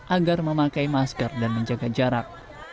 agar memakai masker dan menjaga jarak